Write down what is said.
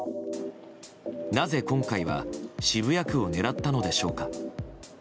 なぜ、今回は渋谷区を狙ったのでしょうか。